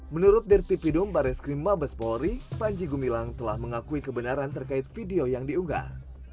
menurut dirtipidum baris krim mabes polri panji gumilang telah mengakui kebenaran terkait video yang diunggah